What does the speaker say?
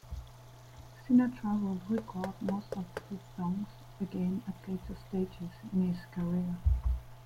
Sinatra would record most of these songs again at later stages in his career.